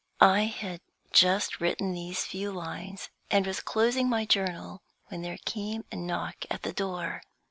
I had just written these few lines, and was closing my journal, when there came a knock at the door.